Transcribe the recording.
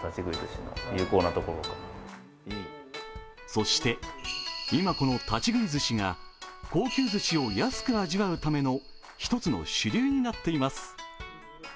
そして今、この立ち食いずしが高級ずしを安く味わうための１つの主流になっています。